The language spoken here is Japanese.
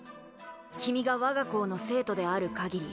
君が我が校の生徒である限り